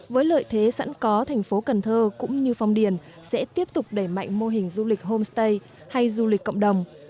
với lợi thế sẵn có thành phố cần thơ cũng như phong điền sẽ tiếp tục đẩy mạnh mô hình du lịch homestay hay du lịch cộng đồng